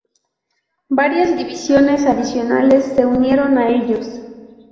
Varias divisiones adicionales se unieron a ellos.